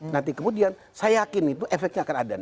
nanti kemudian saya yakin itu efeknya akan ada